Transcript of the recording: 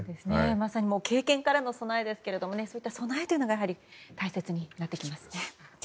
まさに経験からの備えですがそういった備えが大切になってきますね。